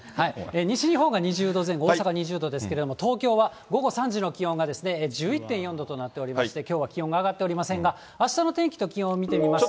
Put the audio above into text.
西日本が２０度前後、大阪２０度ですけれども、東京は午後３時の気温が１１．４度となっておりまして、きょうは気温が上がっておりませんが、あしたの天気と気温を見てみますと。